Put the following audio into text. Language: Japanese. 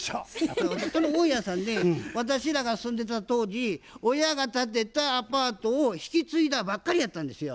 大家さんね私らが住んでた当時親が建てたアパートを引き継いだばっかりやったんですよ。